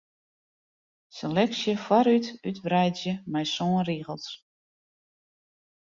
Seleksje foarút útwreidzje mei sân rigels.